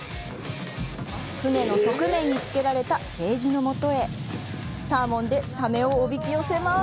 船の側面につけられたケージのもとへサーモンでサメをおびき寄せます。